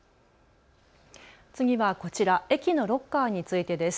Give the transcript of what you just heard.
次はこちら、駅のロッカーについてです。